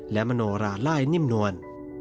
และมโนราไล่นิ่มนวล